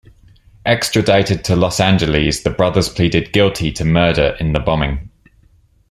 Extradited to Los Angeles, the brothers pleaded guilty to murder in the bombing.